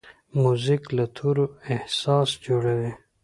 موزیک له تورو احساس جوړوي.